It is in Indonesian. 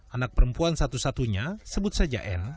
anak perempuan satu satunya sebut saja n